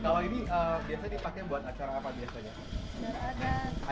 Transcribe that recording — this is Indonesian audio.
kalau ini biasanya dipakai buat acara apa biasanya